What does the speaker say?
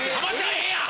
ええやん！